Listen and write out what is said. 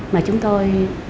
mà chúng tôi